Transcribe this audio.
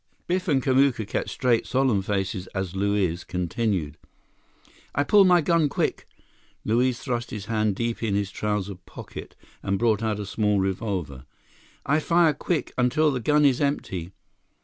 Biff and Kamuka kept straight, solemn faces as Luiz continued. "I pull my gun quick!" Luiz thrust his hand deep in his trouser pocket and brought out a small revolver. "I fire quick, until the gun is empty."